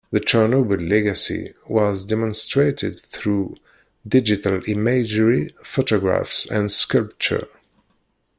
The Chernobyl legacy was demonstrated through digital imagery, photographs and sculpture.